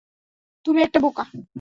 তুমি একটা বোকা।